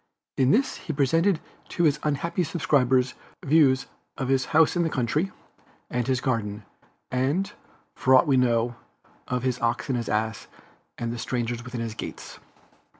In this he presented to his unhappy subscribers views of his house in the country, and his garden, and, for aught we know, of "his ox and his ass, and the stranger within his gates."